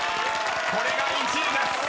これが１位です！］